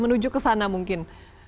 menuju ke sana mungkin